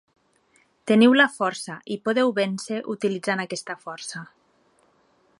Teniu la força i podeu vèncer utilitzant aquesta força.